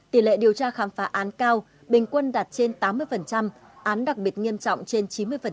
tỷ lệ điều tra khám phá án cao bình quân đạt trên tám mươi án đặc biệt nghiêm trọng trên chín mươi